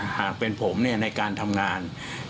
หากเป็นผมในการทำงาน